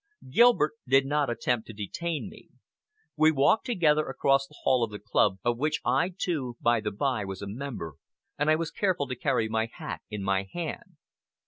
Gilbert did not attempt to detain me. We walked together across the hall of the club, of which I, too, by the bye, was a member, and I was careful to carry my hat in my hand.